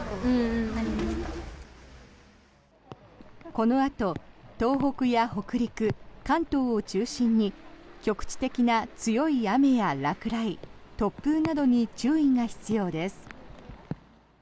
このあと東北や北陸関東を中心に局地的な強い雨や落雷、突風などに注意が必要です。